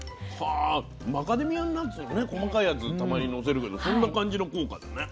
マカデミアナッツの細かいやつたまにのせるけどそんな感じの効果だね。